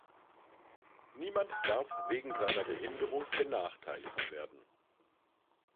Niemand darf wegen seiner Behinderung benachteiligt werden.